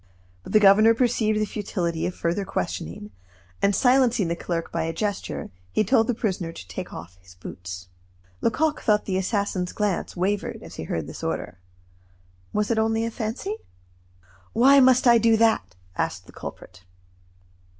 But the governor perceived the futility of further questioning; and silencing the clerk by a gesture, he told the prisoner to take off his boots. Lecoq thought the assassin's glance wavered as he heard this order. Was it only a fancy? "Why must I do that?" asked the culprit.